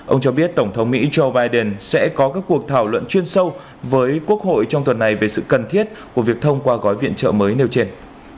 ông cho biết tổng thống mỹ joe biden sẽ có các cuộc thảo luận chuyên sâu với quốc hội trong tuần này về sự cần thiết của việc thông qua gói viện trợ mới nêu trên